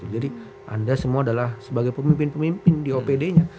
jadi anda semua adalah sebagai pemimpin pemimpin di opd nya